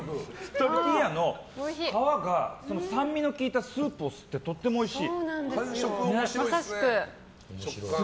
トルティーヤの皮が酸味の効いたスープを吸ってとってもおいしい。